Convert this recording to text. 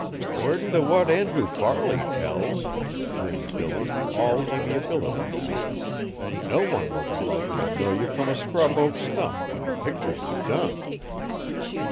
"'Cordin' t' what Andrew Farley tells," grinned Billy, all amiability now, "no one will be likely t' know ye from a scrub oak stump when the picters is done.